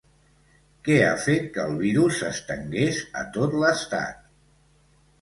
Què ha fet que el virus s'estengués a tot l'estat?